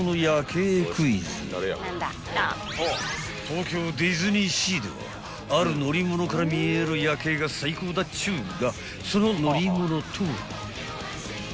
［東京ディズニーシーではある乗り物から見える夜景が最高だっちゅうがその乗り物とは？］